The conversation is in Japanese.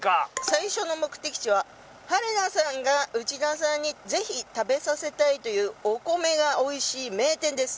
「最初の目的地は春菜さんが内田さんに是非食べさせたいという“お米が美味しい”名店です」